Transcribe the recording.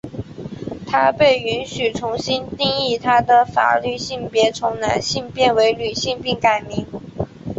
她被允许重新定义她的法律性别从男性变为女性并改名。